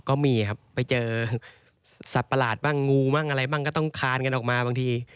ก็มีครับไปเจอสัตว์ประหลาดบ้างงูบ้างอะไรบ้างก็ต้องคานกันออกมาบางที